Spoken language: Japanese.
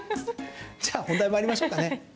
じゃあ本題に参りましょうかね。